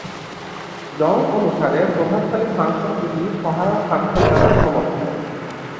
জং অনুসারে প্রভাবশালী ফাংশন দুটি সহায়ক ফাংশন দ্বারা সমর্থিত।